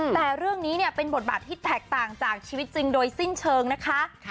แต่เรื่องนี้เนี่ยเป็นบทบาทที่แตกต่างจากชีวิตจริงโดยสิ้นเชิงนะคะ